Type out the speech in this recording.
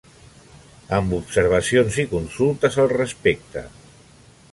Amb observacions i consultes al respecte.